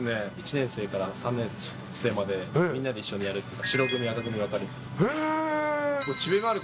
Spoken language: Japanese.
１年生から３年生まで、みんなで一緒にやるというか、白組、へー！